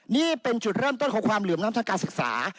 นี่เป็นจุดเริ่มต้นของความเหลื่อมล้ำทางการศึกษา